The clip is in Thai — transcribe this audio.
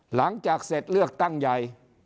หลังจากเสร็จเลือกตั้งใหญ่